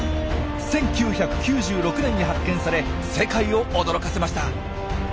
１９９６年に発見され世界を驚かせました。